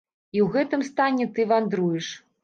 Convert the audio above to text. І ў гэтым стане ты вандруеш.